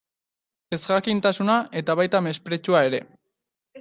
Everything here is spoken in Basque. Ezjakintasuna, eta baita mespretxua ere.